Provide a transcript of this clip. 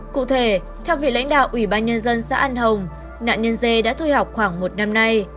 cụ thể theo vị lãnh đạo ủy ban nhân dân xã an hồng nạn nhân dê đã thôi học khoảng một năm nay